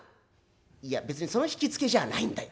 「いや別にそのひきつけじゃないんだよ。